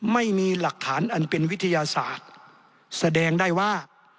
ไม่มีหลักฐานอันเป็นวิทยาศาสตร์แสดงได้ว่า